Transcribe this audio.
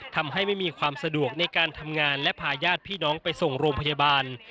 ทำให้ไม่มีความสะดวกในการทำงานและพาญาติพี่น้องไปส่งโรงพยาบาล